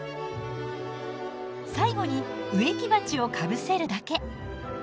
最後に植木鉢をかぶせるだけ。